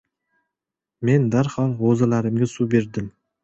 Men darhol g‘o‘zalarimga suv berdim.